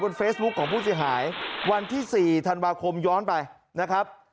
เฟซบุ๊คของผู้เสียหายวันที่๔ธันวาคมย้อนไปนะครับ